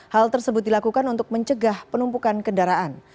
hal tersebut dilakukan untuk mencegah penumpukan kendaraan